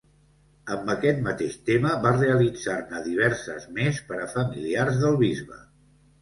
Amb aquest mateix tema va realitzar-ne diverses més per a familiars del bisbe.